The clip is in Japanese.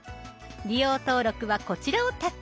利用登録はこちらをタッチ。